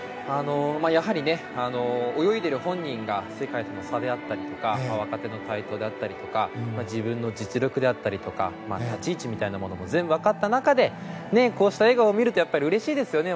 やはり、泳いでいる本人が世界との差であったりとか若手の台頭であったりとか自分の実力であったりとか立ち位置みたいなものも全部分かった中でこうした笑顔を見るとやっぱりうれしいですね。